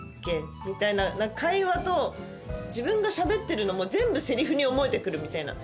みたいな会話と自分がしゃべってるのも全部セリフに思えて来るみたいな。